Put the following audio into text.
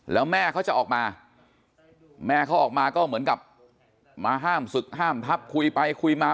แล้วแม่เขาจะออกมาแม่เขาออกมาก็เหมือนกับมาห้ามศึกห้ามทับคุยไปคุยมา